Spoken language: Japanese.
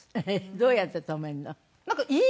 どうやって止めんの？